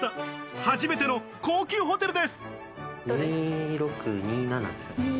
初めての高級ホテルです。